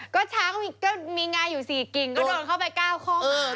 ก็ช้างก็มีงาอยู่๔กิ่งก็โดนเข้าไป๙ข้อหา